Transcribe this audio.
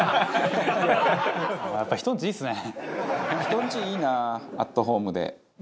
人んちいいなアットホームで。